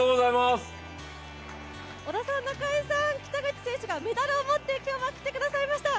織田さん、中井さん、北口選手がメダルを持って来てくださいました。